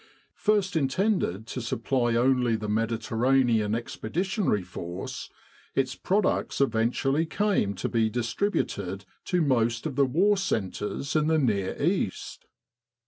First intended to supply only the Mediterranean Expeditionary Force, its products eventually came to be distributed to most of the war centres in the Near East.